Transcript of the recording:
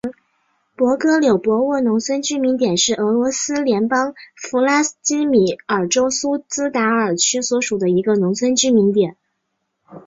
博戈柳博沃农村居民点是俄罗斯联邦弗拉基米尔州苏兹达尔区所属的一个农村居民点。